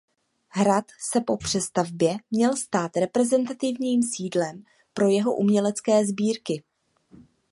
Hrad se po přestavbě měl stát reprezentativním sídlem pro jeho umělecké sbírky.